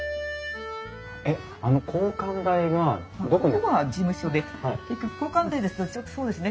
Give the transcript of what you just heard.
ここは事務所で交換台ですとちょうどそうですね